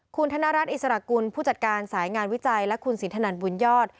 คุณธนรัฐอิสระกุลผู้จัดการสายงานวิจัยและคุณสินทนันบุญยอด